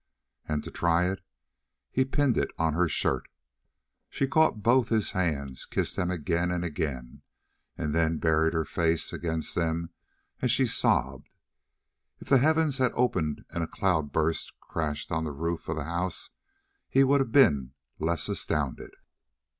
And to try it, he pinned it on her shirt. She caught both his hands, kissed them again and again, and then buried her face against them as she sobbed. If the heavens had opened and a cloudburst crashed on the roof of the house, he would have been less astounded.